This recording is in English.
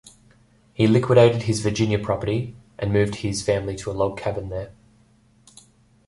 He liquidated his Virginia property, and moved his family to a log cabin there.